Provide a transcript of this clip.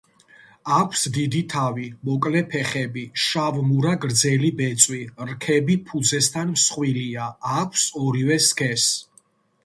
აქვს დიდი თავი, მოკლე ფეხები, შავ-მურა გრძელი ბეწვი; რქები ფუძესთან მსხვილია, აქვს ორივე სქესს.